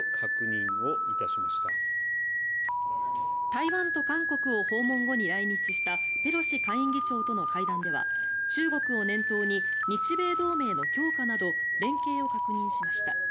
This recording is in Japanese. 台湾と韓国を訪問後に来日したペロシ下院議長との会談では中国を念頭に日米同盟の強化など連携を確認しました。